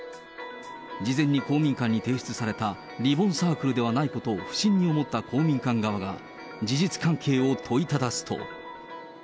事前に公民館に提出されたリボンサークルではないことを不審に思った公民館側が、事実関係を問いただすと。